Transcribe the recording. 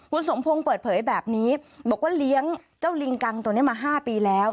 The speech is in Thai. คุณสมพงศ์เปิดเผยแบบนี้บอกว่าเลี้ยงเจ้าลิงกังตัวนี้มา๕ปีแล้ว